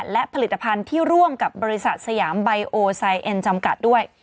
และผลิตภัณฑ์ที่ร่วมกับบริษัทสยามไบโอไซเอ็นจำกัดด้วย